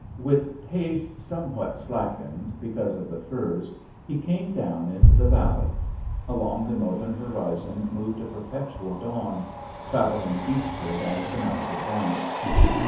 With pace somewhat slackened, because of the furze, he came down into the valley. Along the northern horizon moved a perpetual dawn, travelling eastward as the night advanced.